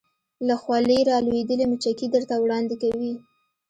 له خولې را لویدلې مچکې درته وړاندې کوې